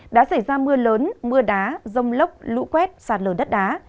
đã xảy ra mưa lớn mưa đá rông lốc lũ quét sạt lở đất đá